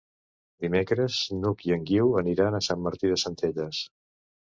Dimecres n'Hug i en Guiu aniran a Sant Martí de Centelles.